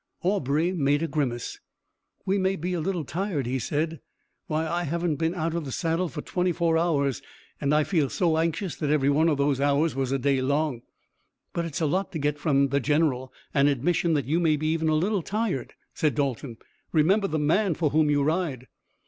Aubrey made a grimace. "We may be a little tired!" he said. "Why, I haven't been out of the saddle for twenty four hours, and I felt so anxious that every one of those hours was a day long." "But it's a lot to get from the general an admission that you may be even a little tired," said Dalton. "Remember the man for whom you ride."